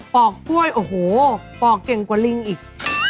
อกกล้วยโอ้โหปอกเก่งกว่าลิงอีก